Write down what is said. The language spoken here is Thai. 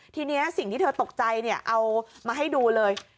ทีนี้สิ่งที่เธอตกใจเอามาให้ดูเลย